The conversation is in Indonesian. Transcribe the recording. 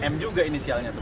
m juga inisialnya